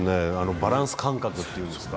バランス感覚っていうんですか。